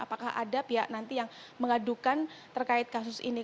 apakah ada pihak nanti yang mengadukan terkait kasus ini